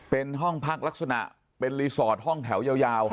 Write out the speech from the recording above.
เป็นห้องพักลักษณะเป็นรีสอร์ทห้องแถวยาว